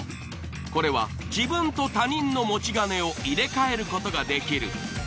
これは自分と他人の持ち金を入れ替えることができる。